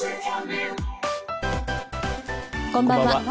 こんばんは。